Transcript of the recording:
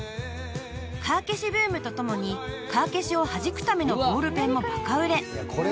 ［カー消しブームと共にカー消しをはじくためのボールペンもバカ売れ］